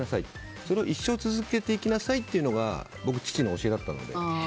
それを一生続けていきなさいというのが僕、父の教えだったので。